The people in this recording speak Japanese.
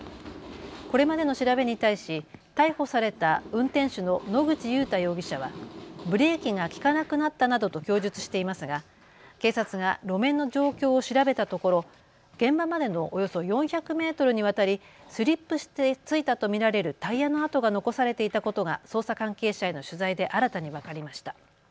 これまでの調べに対し逮捕された運転手の野口祐太容疑者はブレーキが利かなくなったなどと供述していますが警察が路面の状況を調べたところ、現場までのおよそ４００メートルにわたりスリップしてついたと見られるタイヤの痕が残されていたことが捜査関係者への取材で新たに分かりました。